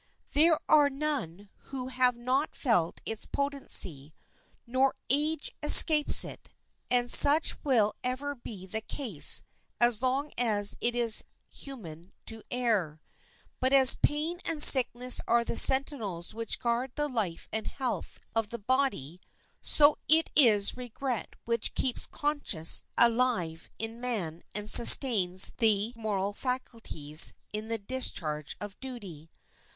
There are none who have not felt its potency; no age escapes it, and such will ever be the case as long as it is human to err. But as pain and sickness are the sentinels which guard the life and health of the body, so it is regret which keeps conscience alive in man and sustains the moral faculties in the discharge of duty.